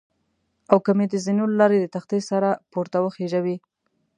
او که مې د زینو له لارې د تختې سره پورته وخېژوي.